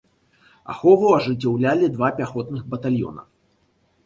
Ахову ажыццяўлялі два пяхотных батальёна.